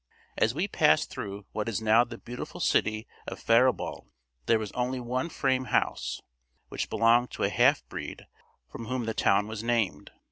As we passed through what is now the beautiful city of Faribault, there was only one frame house, which belonged to a half breed from whom the town was named.